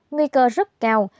nguy cơ rất cao